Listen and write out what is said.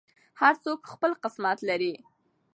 هر څوک خپل قسمت لري.